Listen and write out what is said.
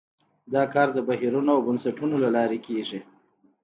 دا کار د بهیرونو او بنسټونو له لارې کیږي.